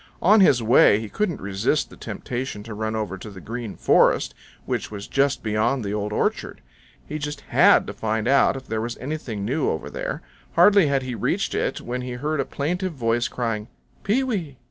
On his way he couldn't resist the temptation to run over to the Green Forest, which was just beyond the Old Orchard. He just HAD to find out if there was anything new over there. Hardly had he reached it when he heard a plaintive voice crying, "Pee wee!